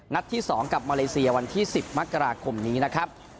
ที่๒กับมาเลเซียวันที่๑๐มกราคมนี้นะครับ